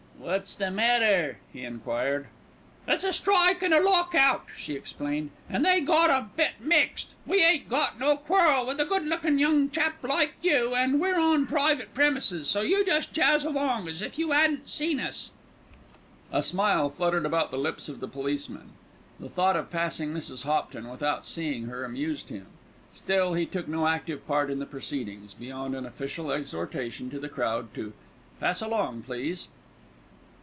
"What's the matter?" he enquired. "It's a strike and a lock out," she explained, "an' they got a bit mixed. We ain't got no quarrel with a good looking young chap like you, an' we're on private premises, so you just jazz along as if you 'adn't seen us." A smile fluttered about the lips of the policeman. The thought of passing Mrs. Hopton without seeing her amused him; still he took no active part in the proceedings, beyond an official exhortation to the crowd to "pass along, please."